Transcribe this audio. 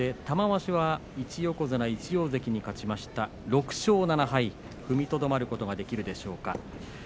玉鷲は１横綱１大関に勝ちました６勝７敗踏みとどまることができるでしょうか。